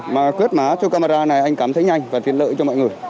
mà quét mã cho camera này anh cảm thấy nhanh và tiện lợi cho mọi người